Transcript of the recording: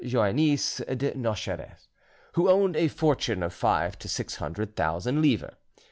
Joannis de Nocheres, who owned a fortune of five to six hundred thousand livres.